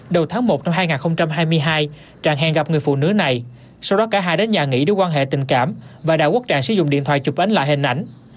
đầu tháng một năm hai nghìn hai mươi hai trạng hẹn gặp người phụ nữ này sau đó cả hai đến nhà nghỉ để quan hệ tình cảm và đạo quốc trạng sử dụng điện thoại chụp ánh lại hình ảnh